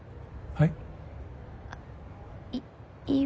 はい。